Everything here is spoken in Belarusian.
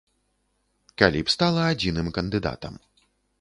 Калі б стала адзіным кандыдатам.